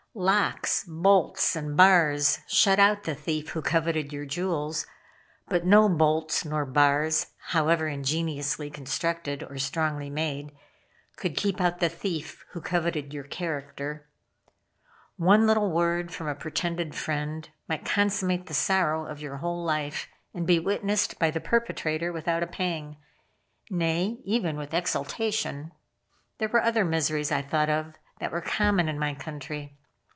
Locks, bolts and bars shut out the thief who coveted your jewels; but no bolts nor bars, however ingeniously constructed or strongly made, could keep out the thief who coveted your character. One little word from a pretended friend might consummate the sorrow of your whole life, and be witnessed by the perpetrator without a pang nay, even with exultation. There were other miseries I thought of that were common in my country.